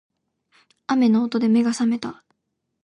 雨の音で目が覚めた